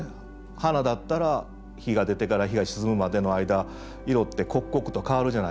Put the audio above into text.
花だったら日が出てから日が沈むまでの間色って刻々と変わるじゃないですか。